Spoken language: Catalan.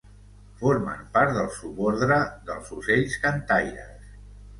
Formen part del subordre dels ocells cantaires.